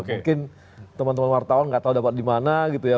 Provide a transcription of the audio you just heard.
mungkin teman teman wartawan nggak tahu dapat di mana